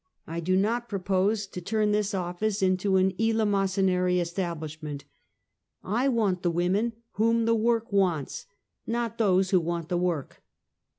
I do not propose to turn this office into an eelemosynary establishment. I want the women whom the work wants, not those who want the work.